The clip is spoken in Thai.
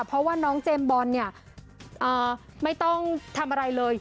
เพราะว่าน้องเจมส์บอลเนี่ยไม่ต้องทำอะไรเลย